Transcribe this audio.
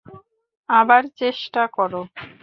আবার চেষ্টা কর।